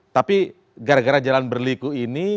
tapi gara gara jalan berliku ini